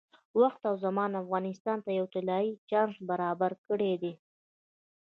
وخت او زمان افغانستان ته یو طلایي چانس برابر کړی دی.